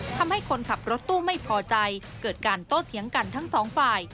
ทำให้คนขับรถตู้ไม่พอใจเกิดการโต้เถียงกันทั้งสองฝ่าย